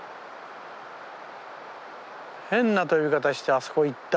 変な飛び方してあそこ行った。